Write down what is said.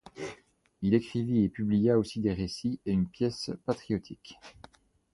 Il écrivit et publia aussi des récits et une pièce patriotique.